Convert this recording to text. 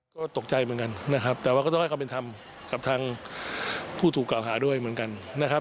ก็ตกใจเหมือนกันนะครับแต่ว่าก็ต้องให้ความเป็นธรรมกับทางผู้ถูกกล่าวหาด้วยเหมือนกันนะครับ